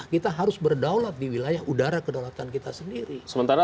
kita harus berdaulat di wilayah udara kedaulatan kita sendiri